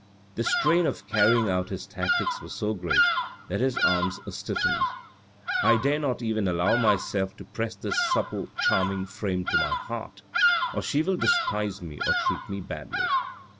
The strain of carrying out his tactics was so great that his arms stiffened. " I dare not even allow myself to press this supple, charming frame to my heart, or she will despise me or treat me badly.